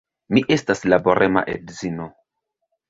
Mi estas laborema edzino.